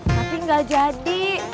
tapi nggak jadi